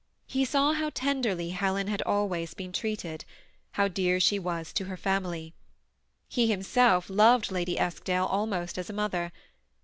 He saw how tenderly Helen had always been tresated ; how dear she was to her family. He himself loved Lady Eskdale almost as a mother.